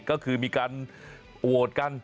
ก็คือมีการโหวตกัน